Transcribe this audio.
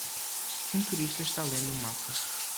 Um turista está lendo um mapa.